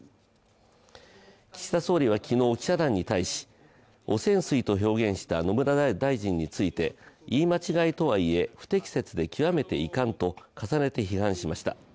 岸田総理は昨日、記者団に対し汚染水と表現した野村大臣について、言い間違えとはいえ不適切で極めて遺憾と重ねて批判しました。